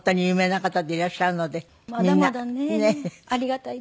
ありがたいです。